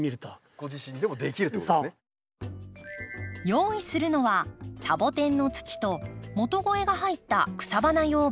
用意するのはサボテンの土と元肥が入った草花用培養土。